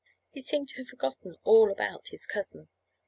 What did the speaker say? He seemed to have forgotten all about his cousin.